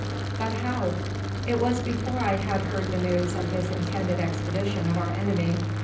"But how?" "It was before I had heard the news of this intended expedition of our enemy.